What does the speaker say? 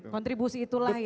kontribusi itulah ya